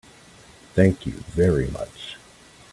Thank you very much.